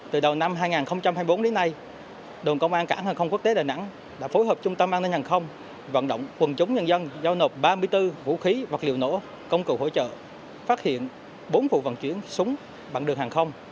từ đầu năm hai nghìn hai mươi bốn đến nay đồn công an cảng hàng không quốc tế đà nẵng đã phối hợp trung tâm an ninh hàng không vận động quần chúng nhân dân giao nộp ba mươi bốn vũ khí vật liệu nổ công cụ hỗ trợ phát hiện bốn vụ vận chuyển súng bằng đường hàng không